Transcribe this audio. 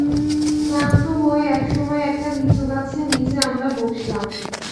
ক্লান্ত হয়ে একসময় একটা লিচুগাছের নিচে আমরা বসলাম।